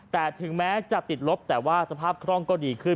แต่ถึงแม้จะติดลบแต่ว่าสภาพคล่องก็ดีขึ้น